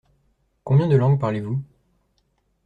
Combien de langues parlez-vous ?